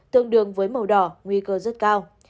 tương đương với màu đỏ nguy cơ rất cao